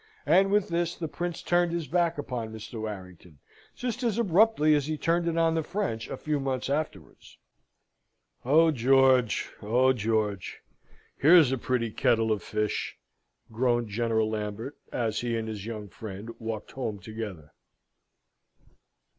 And with this the Prince turned his back upon Mr. Warrington, just as abruptly as he turned it on the French a few months afterwards. "Oh, George! oh, George! Here's a pretty kettle of fish!" groaned General Lambert, as he and his young friend walked home together.